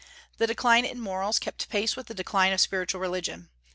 The decline in morals kept pace with the decline of spiritual religion.